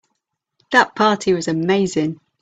That party was amazing.